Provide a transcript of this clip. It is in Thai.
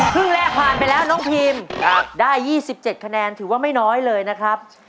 แรกผ่านไปแล้วน้องพีมได้๒๗คะแนนถือว่าไม่น้อยเลยนะครับ